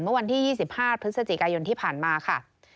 เมื่อวันที่๒๕พฤศจิกายนที่ผ่านมาค่ะ